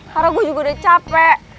karena gue juga udah capek